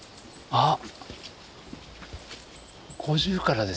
あっ！